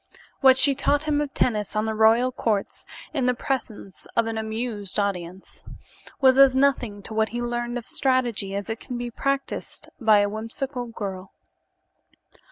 What she taught him of tennis on the royal courts, in the presence of an amused audience, was as nothing to what he learned of strategy as it can be practiced by a whimsical girl.